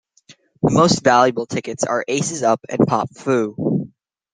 The most valuable tickets are Aces Up and Pop Fu.